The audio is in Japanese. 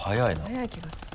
速い気がする。